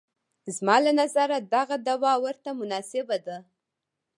زما له نظره دغه دوا ورته مناسبه ده.